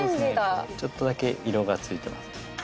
ちょっとだけ色が付いてます。